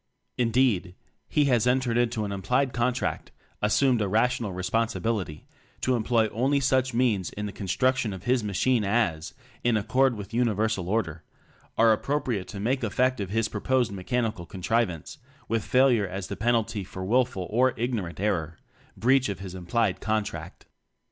Indeed, he has en tered into an implied contract as sumed a rational responsibility to em ploy only such means in the construc tion of his machine as (in accord with Universal Order) are appropriate to make effective his proposed mechanical contrivance; with failure as the pen alty for wilful or ignorant error breach of his implied contract.